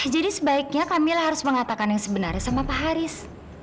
jadi sebaiknya kamila harus mengatakan yang sebenarnya sama pak haris